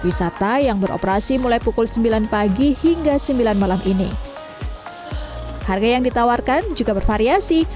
wisata yang beroperasi mulai pukul sembilan pagi hingga sembilan malam ini harga yang ditawarkan juga bervariasi